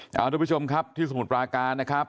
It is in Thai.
เอาทุกผู้ชมครับที่สมุทรปราการนะครับ